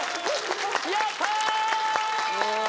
やった！